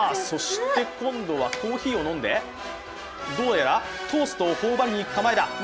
そして今度はコーヒーを飲んで、どうやらトーストをほおばりに行く構えだ。